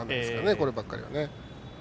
こればっかりはね。